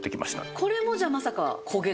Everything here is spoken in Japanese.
これもじゃあまさか焦げない？